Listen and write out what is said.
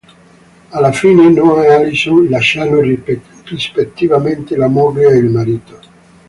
Alla fine Noah e Alison lasciano rispettivamente la moglie e il marito.